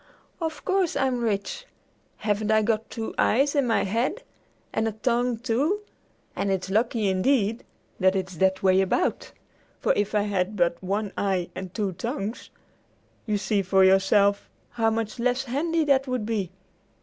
"Of course I'm rich. Haven't I got two eyes in my head, and a tongue, too, and it's lucky, indeed, that it's that way about, for if I had but one eye and two tongues, you see for yourself how much less handy that would be!